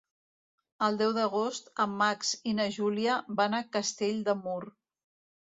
El deu d'agost en Max i na Júlia van a Castell de Mur.